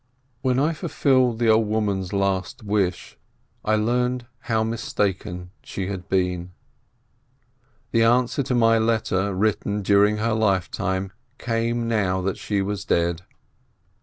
When I fulfilled the old woman's last wish, I learned how mistaken she had been. The answer to my letter written during her lifetime came now that she was dead.